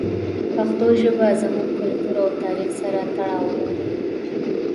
پښتو ژبه زموږ کلتور او تاریخ سره تړاو لري.